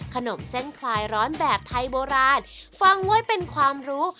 ขนมเส้นคลายร้อนแบบไทยโบราณฟังไว้เป็นความรู้